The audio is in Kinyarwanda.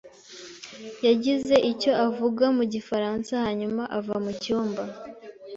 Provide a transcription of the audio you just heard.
yagize icyo avuga mu gifaransa hanyuma ava mucyumba.